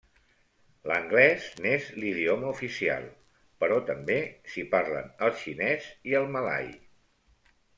L'anglès n'és l'idioma oficial, però també s'hi parlen el xinès i el malai.